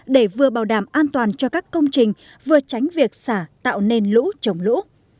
để vừa bảo đảm an toàn cho các công trình vừa tránh việc xả tạo nên lũ trồng lũ